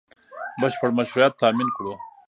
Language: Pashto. بشپړ مشروعیت تامین کړو